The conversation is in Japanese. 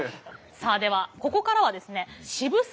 さあではここからはですね渋沢